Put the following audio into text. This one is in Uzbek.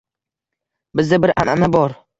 Bizda bir anʼana bor.